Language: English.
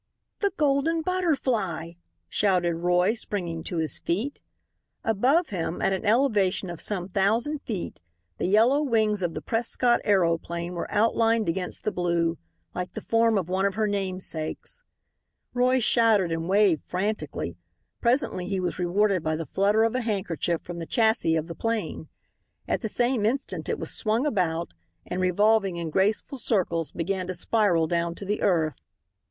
"The Golden Butterfly!" shouted Roy, springing to his feet. Above him, at an elevation of some thousand feet, the yellow wings of the Prescott aeroplane were outlined against the blue, like the form of one of her namesakes. Roy shouted and waved frantically. Presently he was rewarded by the flutter of a handkerchief from the chassis of the 'plane. At the same instant it was swung about, and revolving in graceful circles began to spiral down to the earth.